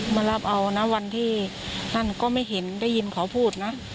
มารับเอานะวันที่ท่านก็ไม่เห็นได้ยินเขาพูดนะ